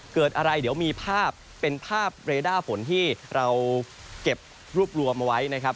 เกิดอะไรเดี๋ยวมีภาพเป็นภาพเรด้าฝนที่เราเก็บรวบรวมเอาไว้นะครับ